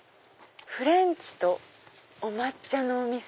「フレンチとお抹茶のお店」。